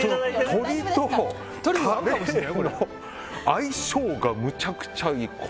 鶏とカレーの相性がむちゃくちゃいい。